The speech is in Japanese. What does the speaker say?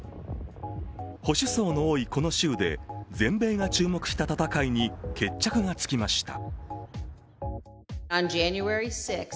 保守層の多いこの州で全米が注目した戦いに決着がつきました。